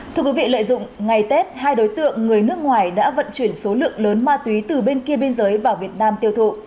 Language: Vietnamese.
thưa quý vị lợi dụng ngày tết hai đối tượng người nước ngoài đã vận chuyển số lượng lớn ma túy từ bên kia biên giới vào việt nam tiêu thụ